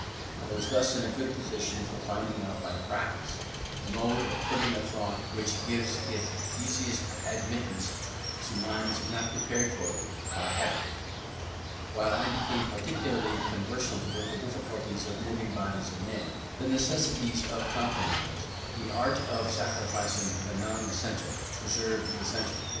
I was thus in a good position for finding out by practice the mode of putting a thought which gives it easiest admittance into minds not prepared for it by habit; while I became practically conversant with the difficulties of moving bodies of men, the necessities of compromise, the art of sacrificing the non essential to preserve the essential.